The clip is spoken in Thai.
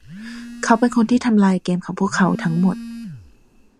เขาเป็นคนที่ทำลายเกมของพวกเขาทั้งหมด